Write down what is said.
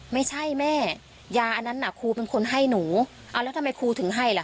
ไม่ใช่แม่ยาอันนั้นน่ะครูเป็นคนให้หนูเอาแล้วทำไมครูถึงให้ล่ะค